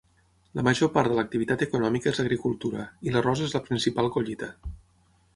La major part de l'activitat econòmica és agricultura, i l'arròs és la principal collita.